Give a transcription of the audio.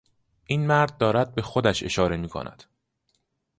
این مرد دارد به خودش اشاره میکند.